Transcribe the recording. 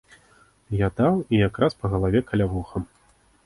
Я даў і якраз па галаве каля вуха.